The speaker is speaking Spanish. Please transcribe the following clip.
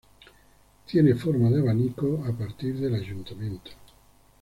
Tiene forma de abanico, a partir del ayuntamiento.